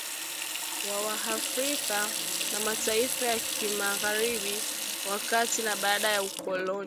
wa Waafrika na mataifa ya kimagharibi wakati na baada ya ukoloni